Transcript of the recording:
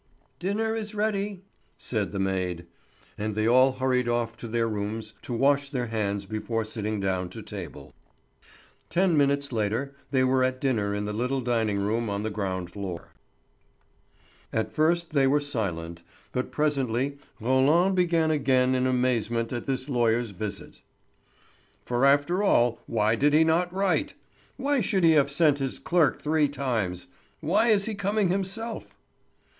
"Dinner is ready," said the maid. And they all hurried off to their rooms to wash their hands before sitting down to table. Ten minutes later they were at dinner in the little dining room on the ground floor. At first they were silent; but presently Roland began again in amazement at this lawyer's visit. "For after all, why did he not write? Why should he have sent his clerk three times? Why is he coming himself?"